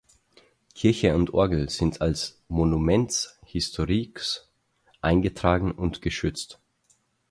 Kirche und Orgel sind als Monuments historiques eingetragen und geschützt.